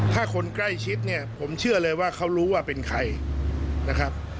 ถ้าคนใกล้ชิดเนี่ยผมเชื่อเลยว่าเขารู้ว่าเป็นใครนะครับ